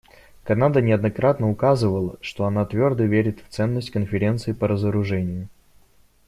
Канада неоднократно указывала, что она твердо верит в ценность Конференции по разоружению.